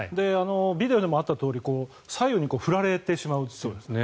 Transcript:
ビデオでもあったとおり左右に振られてしまうという。